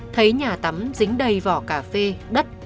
thấy nhà tắm dính đầy vỏ cà phê đất